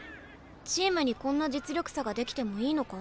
チームにこんな実力差が出来てもいいのか？